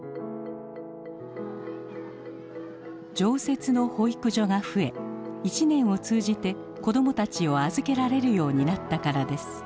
常設の保育所が増え一年を通じて子供たちを預けられるようになったからです。